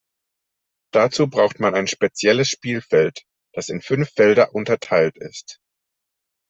Dazu braucht man ein spezielles Spielfeld, das in fünf Felder unterteilt ist.